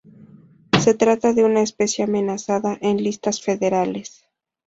Se trata de una especie amenazada en listas federales.